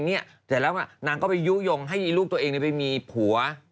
เสร็จแล้วนางก็ไปยุโยงให้ลูกตัวเองไปมีผัว